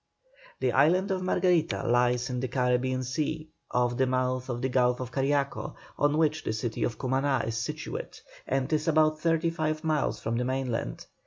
The island of Margarita lies in the Carribean Sea, off the mouth of the Gulf of Cariaco, on which the city of Cumaná is situate, and is about thirty five miles from the mainland.